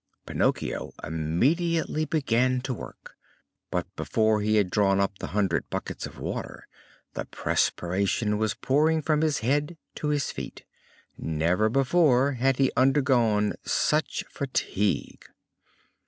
Pinocchio immediately began to work; but before he had drawn up the hundred buckets of water the perspiration was pouring from his head to his feet. Never before had he undergone such fatigue.